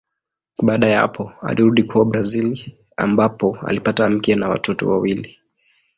Baada ya hapo alirudi kwao Brazili ambapo alipata mke na watoto wawili.